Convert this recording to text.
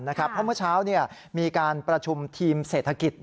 เพราะเมื่อเช้ามีการประชุมทีมเศรษฐกิจ